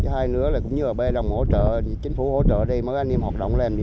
hai nữa là cũng nhờ bê đồng hỗ trợ chính phủ hỗ trợ đây mới anh em hoạt động làm